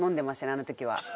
あの時は。